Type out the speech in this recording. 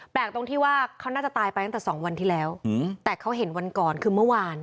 ตรงที่ว่าเขาน่าจะตายไปตั้งแต่สองวันที่แล้วแต่เขาเห็นวันก่อนคือเมื่อวาน